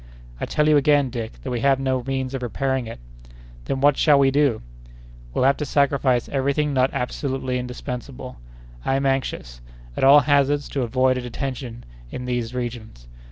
"I tell you, again, Dick, that we have no means of repairing it." "Then what shall we do?" "We'll have to sacrifice every thing not absolutely indispensable; I am anxious, at all hazards, to avoid a detention in these regions.